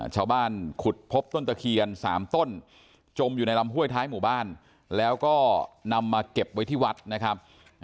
ชาวบ้านขุดพบต้นตะเคียน๓ต้นจมอยู่ในลำห้วยท้ายหมู่บ้านแล้วก็นำมาเก็บไว้ที่วัดนะครับ